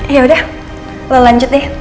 yaudah lo lanjut deh